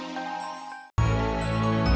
salam buat maya